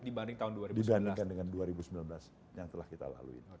dibandingkan dengan dua ribu sembilan belas yang telah kita lalui